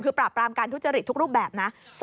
คือปราบรามการทุจริตทุกรูปแบบนะ